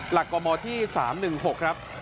หลักกมที่๓๑๖ครับ